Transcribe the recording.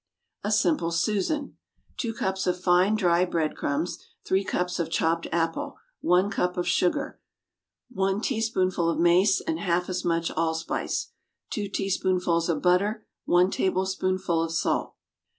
A Simple Susan. Two cups of fine, dry bread crumbs. Three cups of chopped apple. One cup of sugar. One teaspoonful of mace, and half as much allspice. Two teaspoonfuls of butter. One tablespoonful of salt.